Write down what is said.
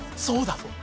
そうだ！